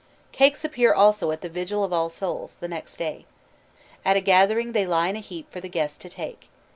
Cakes appear also at the vigil of All Souls', the next day. At a gathering they lie in a heap for the guests to take.